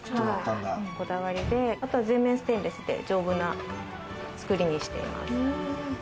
こだわりで全面ステンレスで、丈夫な作りにしています。